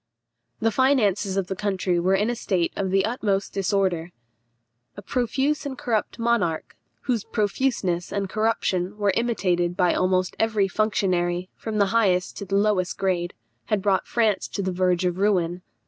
The finances of the country were in a state of the utmost disorder. A profuse and corrupt monarch, whose profuseness and corruption were imitated by almost every functionary, from the highest to the lowest grade, had brought France to the verge of ruin.